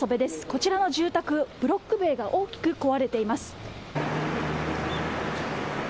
こちらの住宅、ブロック塀が大きく壊れています。